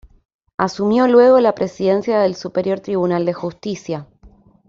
Asumió luego la presidencia del Superior Tribunal de Justicia.